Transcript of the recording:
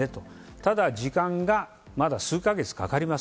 ただ、時間がまだ数か月かかります。